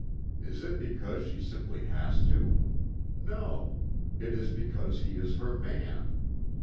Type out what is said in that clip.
Is it because she simply has to? No. It is because he is her man.